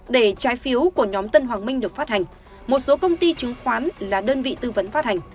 để trái phiếu của nhóm tân hoàng minh được phát hành một số công ty chứng khoán là đơn vị tư vấn phát hành